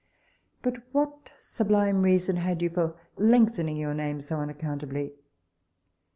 But what sublime reason had you for lengthening your name so unaccountably?